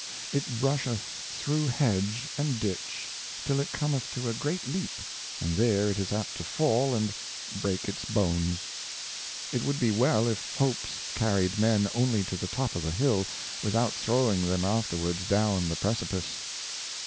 It brusheth through Hedge and Ditch till it Cometh to a great Leap, and there it is apt to fall and break its Bones. It 3Ioral Thoughts and Reflections. 237 It would be well if Hopes carried Men only to the top of the Hill, without throwing them afterwards down the Precipice.